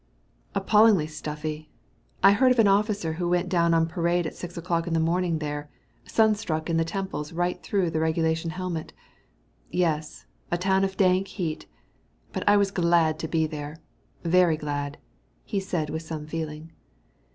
"Appallingly stuffy. I heard of an officer who went down on parade at six o'clock of the morning there, sunstruck in the temples right through a regulation helmet. Yes, a town of dank heat! But I was glad to be there very glad," he said with some feeling.